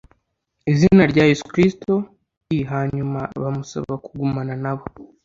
Izina rya yesu kristo i hanyuma bamusaba kugumana na bo